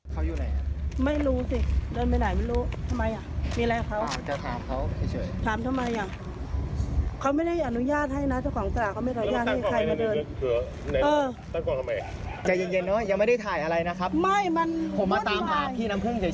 ของในตลาดแล้วเขาไม่อยู่แล้วเขาไม่ได้มาแล้วทำไง